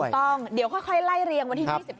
ถูกต้องเดี๋ยวค่อยไล่เรียงวันที่๒๓